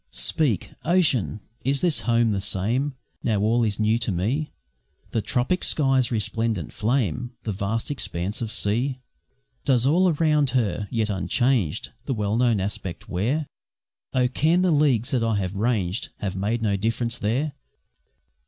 Speak, Ocean! is my Home the same Now all is new to me? The tropic sky's resplendent flame, The vast expanse of sea? Does all around her, yet unchanged, The well known aspect wear? Oh! can the leagues that I have ranged Have made no difference there?